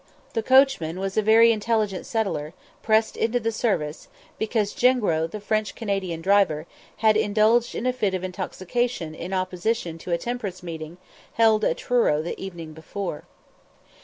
The coachman was a very intelligent settler, pressed into the service, because Jengro, the French Canadian driver, had indulged in a fit of intoxication in opposition to a temperance meeting held at Truro the evening before.